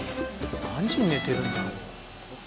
何時に寝てるんだろう？